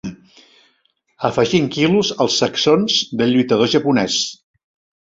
Afegint quilos als sacsons del lluitador japonès.